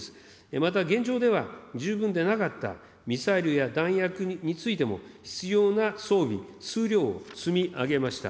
また、現状では、十分でなかったミサイルや弾薬についても、必要な装備、数量を積み上げました。